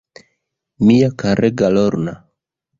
Mia karega Lorna.